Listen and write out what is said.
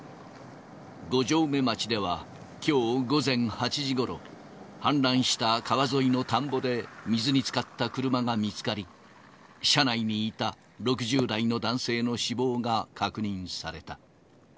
五城目町ではきょう午前８時ごろ、氾濫した川沿いの田んぼで水につかった車が見つかり、車内にいた６０代の男性の死亡が確認された。